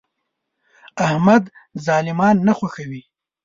احمد ظالمان نه خوښوي.